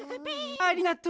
ありがとう！